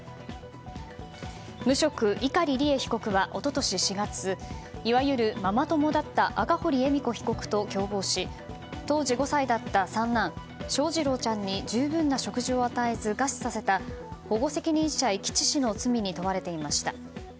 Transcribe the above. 無職・碇利恵被告は一昨年４月いわゆるママ友だった赤堀恵美子被告と共謀し当時５歳だった三男翔士郎ちゃんに十分な食事を与えず餓死させた保護責任者遺棄致死の罪に問われていました。